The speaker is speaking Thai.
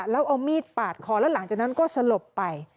แล้วเอามีดปาดคอแล้วหลังจากนั้นก็สลบไป